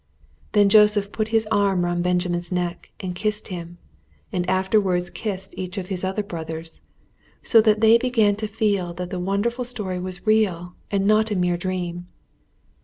Then Joseph put his arm round Benjamin's neck and kissed him, and afterwards kissed each of his other brothers, so that they began to feel that the wonderful story was real and not a mere dream.